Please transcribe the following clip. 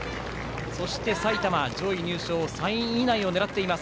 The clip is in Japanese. そして埼玉も上位入賞３位以内を狙っています。